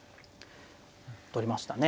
取りましたね。